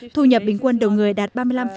thu nhập bình quân đầu người đạt ba mươi năm